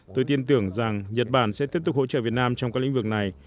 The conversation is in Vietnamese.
tôi tin tưởng rằng nhật bản sẽ tiếp tục hỗ trợ việt nam trong các lĩnh vực này